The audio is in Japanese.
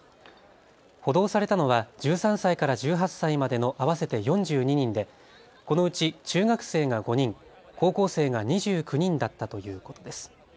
補導されたのは１３歳から１８歳までの合わせて４２人でこのうち中学生が５人、高校生が２９人だったということです。